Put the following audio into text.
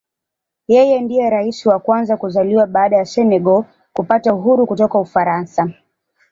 Yeye ndiye Rais wa kwanza kuzaliwa baada ya Senegal kupata uhuru kutoka Ufaransa.